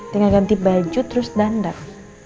tinggal ganti baju terus dandar